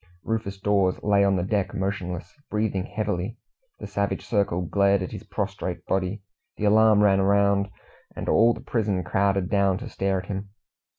Rufus Dawes lay on the deck motionless, breathing heavily. The savage circle glared at his prostrate body. The alarm ran round, and all the prison crowded down to stare at him.